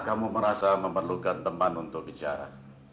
kamu merasa memerlukan teman untuk bicara